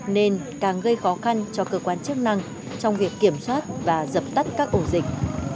nên càng gây khó khăn cho cơ quan chức năng trong việc kiểm soát và dập tắt các ổ dịch